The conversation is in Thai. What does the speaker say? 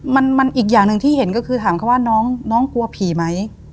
มันอีกอย่างหนึ่งที่เห็นก็คือถามเขาว่าน้องกลัวผีไหม